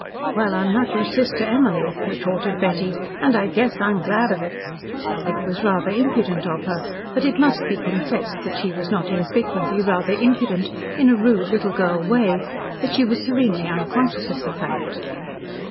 "Well, I'm not your sister Emily," retorted Betty, "and I guess I'm glad of it." It was rather impudent of her, but it must be confessed that she was not infrequently rather impudent in a rude little girl way, but she was serenely unconscious of the fact.